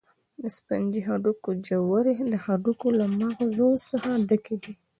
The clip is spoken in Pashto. د سفنجي هډوکو ژورې د هډوکو له مغزو څخه ډکې دي.